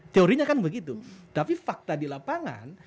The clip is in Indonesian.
teorinya kan begitu tapi fakta di lapangan